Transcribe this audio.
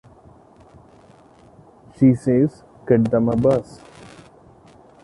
She says, "get them a bus".